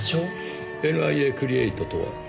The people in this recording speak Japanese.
ＮＩＡクリエイトとは？